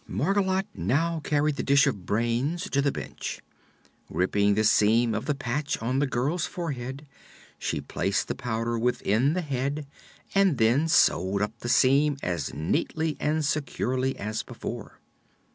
Margolotte now carried the dish of brains to the bench. Ripping the seam of the patch on the girl's forehead, she placed the powder within the head and then sewed up the seam as neatly and securely as before.